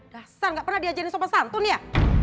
dasar nggak pernah diajarin sama santun ya